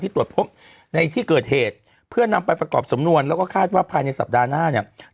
ตรวจพบในที่เกิดเหตุเพื่อนำไปประกอบสำนวนแล้วก็คาดว่าภายในสัปดาห์หน้าเนี่ย